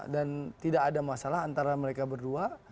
dan tidak ada masalah antara mereka berdua